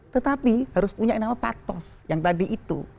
tetapi harus punya nama pathos yang tadi itu